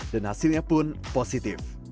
dan hasilnya pun positif